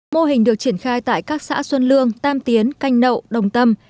mô hình được triển khai tại các xã xuân lương tam tiến canh nậu đồng tâm